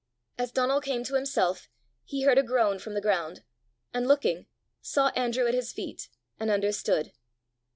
As Donal came to himself, he heard a groan from the ground, and looking, saw Andrew at his feet, and understood.